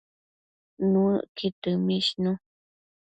Nuëcqud dëmishnu